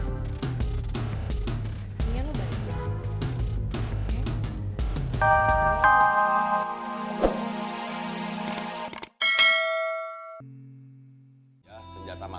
kok lo begini sakit juga kamu